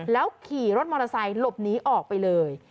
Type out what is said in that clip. แล้วขี่รถมอเตอร์ไซค์หลบหนีออกไปเลย